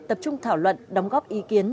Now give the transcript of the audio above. tập trung thảo luận đóng góp ý kiến